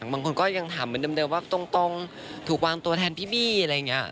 บางคนก็ยังถามเหมือนเดิมว่าตรงถูกวางตัวแทนพี่บี้อะไรอย่างนี้